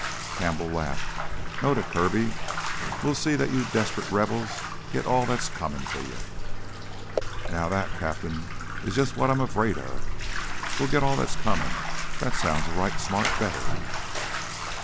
Campbell laughed. "Noted, Kirby. We'll see that you desperate Rebs get all that's comin' to you." "Now that, Cap'n, is jus' what I'm afraid of. We git all that's comin' that sounds a right smart better!"